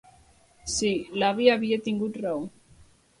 Sí, l'avi havia tingut raó!